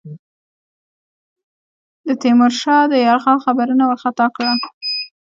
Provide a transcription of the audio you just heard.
د تیمورشاه د یرغل خبرونو وارخطا کړه.